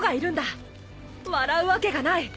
笑うわけがない。